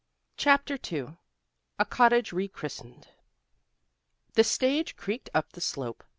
CHAPTER II A COTTAGE RE CHRISTENED The stage creaked up the slope.